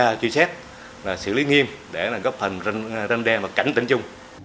và truy xét xử lý nghiêm để góp phần răn đen và cảnh tỉnh chung